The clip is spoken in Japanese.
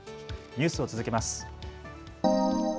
ニュースを続けます。